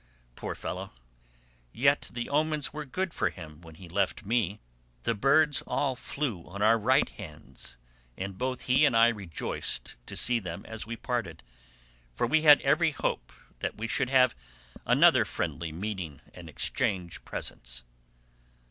Poor fellow, yet the omens were good for him when he left me. The birds all flew on our right hands, and both he and I rejoiced to see them as we parted, for we had every hope that we should have another friendly meeting and exchange presents."